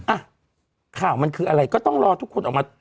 อ่ะข่าวมันคืออะไรก็ต้องรอทุกคนออกมา